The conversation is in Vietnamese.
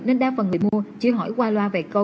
nên đa phần người mua chỉ hỏi qua loa về câu